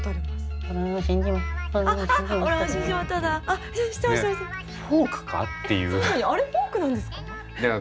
あれフォークなんですか？